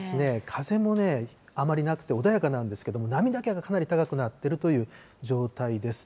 風もね、あまりなくて、穏やかなんですけども、波だけはかなり高くなってるという状態です。